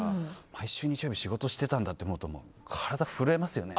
毎週日曜日、仕事してたんだと思うと震えますね。